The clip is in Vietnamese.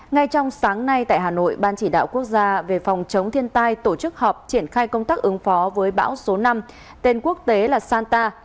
ngay trong sáng nay tại hà nội ban chỉ đạo quốc gia về phòng chống thiên tai tổ chức họp triển khai công tác ứng phó với bão số năm tên quốc tế là santa